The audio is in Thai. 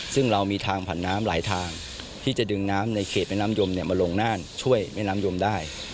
ซึ่งเรามีทางผ่านน้ำหลายทางที่จะดึงน้ำในเขตแม่น้ำยมมาลงน่านช่วยแม่น้ำยมได้